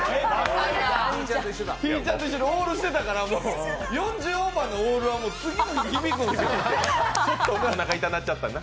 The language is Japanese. ひぃちゃんと一緒でオールしてたから４０オーバーのオールは次の日に響くんですよ。